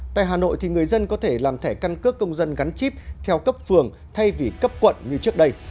tại hà nội người dân có thể làm thẻ căn cước công dân gắn chip theo cấp phường thay vì cấp quận như trước đây